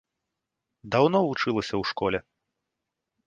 Даўно вучылася ў школе.